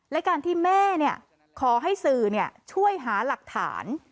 และการที่แม่ขอให้สื่อช่วยหาหลักฐาน